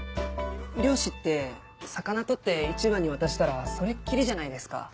漁師って魚取って市場に渡したらそれっきりじゃないですか。